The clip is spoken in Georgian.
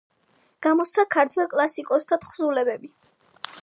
გამოსცა ქართველ კლასიკოსთა თხზულებები.